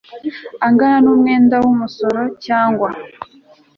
angana n umwenda w umusoro cyangwa